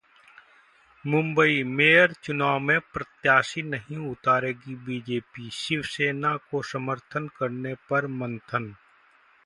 Mumbai: mayor चुनाव में प्रत्याशी नहीं उतारेगी बीजेपी, शिवसेना को समर्थन करने पर मंथन